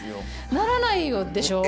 ならないでしょう？